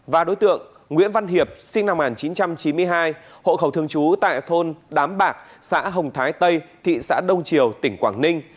và đối tượng nguyễn văn hiệp sinh năm một nghìn chín trăm chín mươi hai hộ khẩu thường trú tại thôn đám bạc xã hồng thái tây thị xã đông triều tỉnh quảng ninh